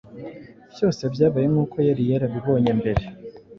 Byose byabaye nk’uko yari yarabibonye mbere.